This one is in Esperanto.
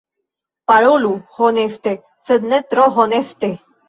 Parolu honeste... sed ne tro honeste.